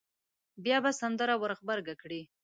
بیا به سندره ور غبرګه کړي.